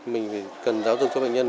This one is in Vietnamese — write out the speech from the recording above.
mình cần giáo dục cho bệnh nhân